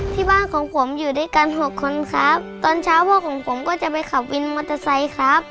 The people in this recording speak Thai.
ที่บ้านของผมอยู่ด้วยกันหกคนครับ